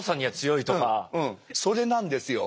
それなんですよ。